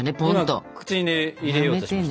今口に入れようとしました。